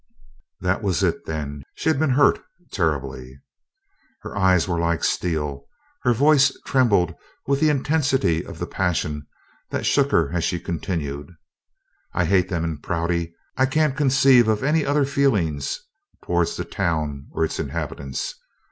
That was it, then she had been hurt terribly! Her eyes were like steel, her voice trembled with the intensity of the passion that shook her as she continued: "I hate them in Prouty! I can't conceive of any other feeling towards the town or its inhabitants.